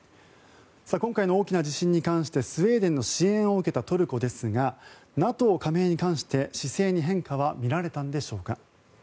今回の大きな地震に関してスウェーデンの支援を受けたトルコですがＮＡＴＯ加盟に関して、姿勢に変化は見られたんでしょうか。